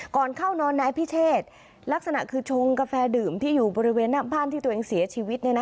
ก่อนเข้านอนนายพิเชษลักษณะคือชงกาแฟดื่มที่อยู่บริเวณหน้าบ้านที่ตัวเองเสียชีวิต